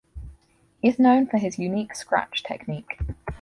He is known for his unique Scratch technique.